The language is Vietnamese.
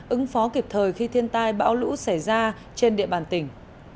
ứng phó kịp thời khi thiên tai bão lũ xảy ra trên địa bàn tỉnh